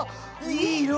いい色！